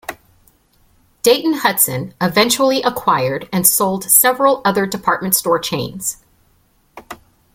Dayton-Hudson eventually acquired and sold several other department store chains.